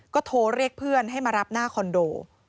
ก็โทรเรียกเพื่อนให้มารับหน้าคอนโด